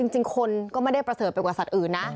จริงคนก็ไม่ได้ประเสริฐไปกว่าสัตว์อื่นนะ